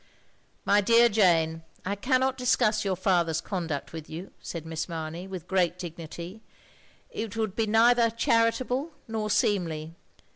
"My dear Jane, I cannot discuss your father's conduct with you," said Miss Mamey, with great dignity, "it would be neither charitable, nor seemly.